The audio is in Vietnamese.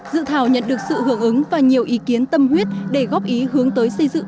dự thảo nhận được sự hưởng ứng và nhiều ý kiến tâm huyết để góp ý hướng tới xây dựng